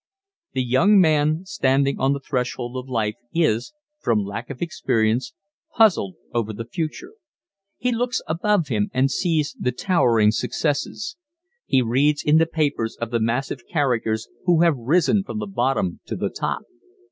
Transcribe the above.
The young man standing on the threshold of life is, from lack of experience, puzzled over the future. He looks above him and sees the towering successes. He reads in the papers of the massive characters who have risen from the bottom to the top.